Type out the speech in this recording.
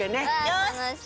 よし。